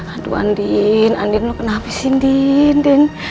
aduh andin andin lu kena hape sih andin